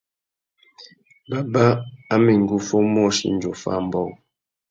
Baba a mà enga uffê umôchï indi offa ambōh.